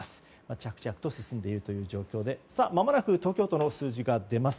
着々と進んでいるという状況でまもなく東京都の数字が出ます。